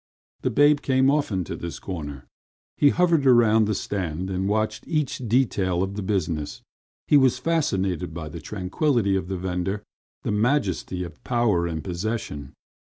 The babe came often to this corner. He hovered about the stand and watched each detail of the business. He was fascinated by the tranquility of the vendor, the majesty of power and possession.